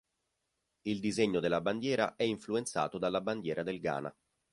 Il disegno della bandiera è influenzato dalla bandiera del Ghana.